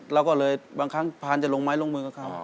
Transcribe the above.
เราก็เลยบางครั้งพานจะลงไม้ลงมือกับเขา